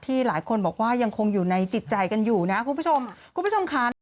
ที่หลายคนบอกว่ายังคงอยู่ในจิตใจกันอยู่นะคุณผู้ชม